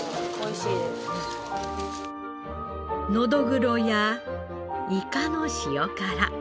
ノドグロやイカの塩辛。